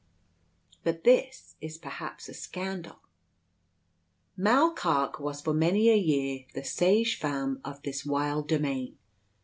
But this is perhaps a scandal. Mall Carke was for many a year the sage femme of this wild domain.